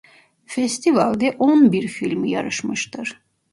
Festival'de on bir film yarışmıştır.